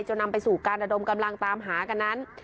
นำไปสู่การระดมกำลังตามหากันนั้น